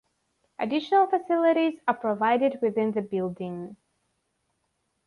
Additional facilities are provided within the building.